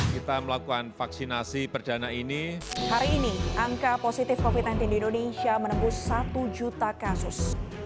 kita melakukan vaksinasi perdana ini hari ini angka positif covid sembilan belas di indonesia menembus satu juta kasus